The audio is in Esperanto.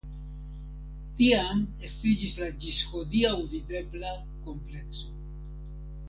Tiam estiĝis la ĝis hodiaŭ videbla komplekso.